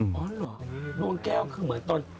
อ๋อนั่นเหรอดวงแก้วขึ้นเหมือนต้น